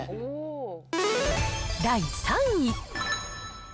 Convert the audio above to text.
第３位。